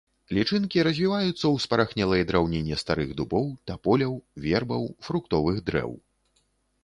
Лічынкі развіваюцца ў спарахнелай драўніне старых дубоў, таполяў, вербаў, фруктовых дрэў.